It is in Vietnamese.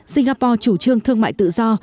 singapore chủ trương thương mại tự do